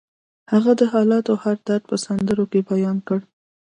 هغه د حالاتو هر درد په سندرو کې بیان کړ